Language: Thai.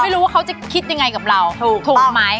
ไม่รู้ว่าเขาจะคิดยังไงกับเราถูกไหม